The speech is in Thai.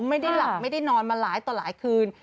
ไม่ได้หลับไม่ได้นอนมาหลายต่อหลายคืน